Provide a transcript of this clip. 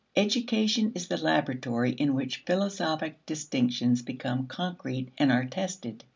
Education is the laboratory in which philosophic distinctions become concrete and are tested.